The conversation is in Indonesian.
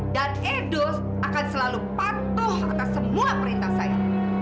dan edo akan selalu pantuh atas semua perintah saya